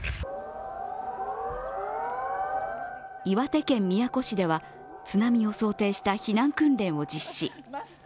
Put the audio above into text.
岩手県宮古市では、津波を想定した避難訓練を実施。